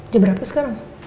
jam berapa sekarang